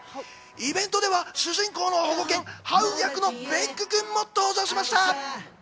イベントでは主人公の保護犬・ハウ役のベックくんも登場しました。